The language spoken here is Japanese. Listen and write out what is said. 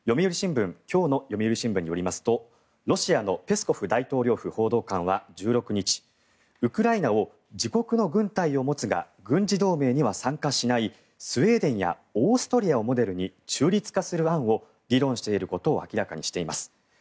今日の読売新聞によりますとロシアのペスコフ大統領府報道官は１６日ウクライナを自国の軍隊を持つが軍事同盟には参加しないスウェーデンやオーストリアをモデルに中立化する案を議論していることを明らかにしています。